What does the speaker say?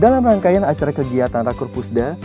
dalam rangkaian acara kegiatan rakur pusda